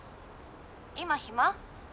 今暇？